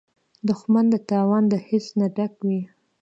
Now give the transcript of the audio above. دښمن د تاوان د حس نه ډک وي